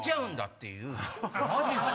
っていう。